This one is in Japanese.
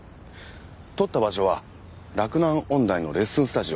撮った場所は洛南音大のレッスンスタジオ。